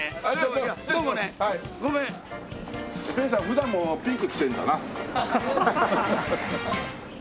普段もピンク着てるんだな。